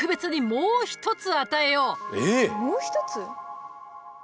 もう一つ？